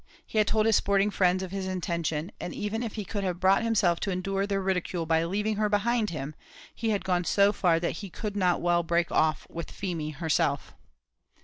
He had told his sporting friends of his intention, and if even he could have brought himself to endure their ridicule by leaving her behind him, he had gone so far that he could not well break off with Feemy herself.